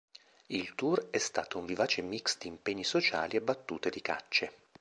Il tour è stato un vivace mix di impegni sociali e battute di cacce.